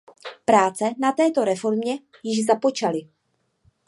Práce na této reformě již započaly.